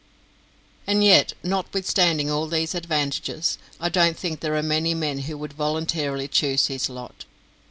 And yet, notwithstanding all these advantages, I don't think there are many men who would voluntarily choose his lot.